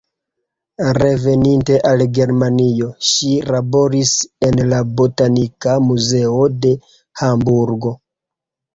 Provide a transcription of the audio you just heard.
Reveninte al Germanio, ŝi laboris en la Botanika Muzeo de Hamburgo.